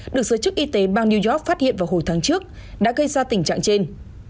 được giới chức y tế bang new york phát hiện vào hồi tháng trước đã gây ra tình trạng trên